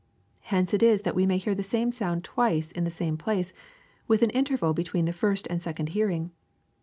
Hence it is that we may hear the same sound twice in the same place, with an interval between the first and second hearing.